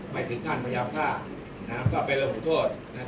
ไปถึงท่านมายาวฆ่านะครับก็เป็นระหว่างผู้โทษนะครับ